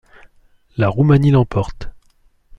La Roumanie l'emporte.